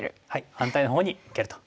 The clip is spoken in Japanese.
反対の方に受けると。